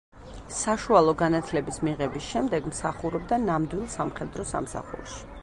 საშუალო განათლების მიღების შემდეგ მსახურობდა ნამდვილ სამხედრო სამსახურში.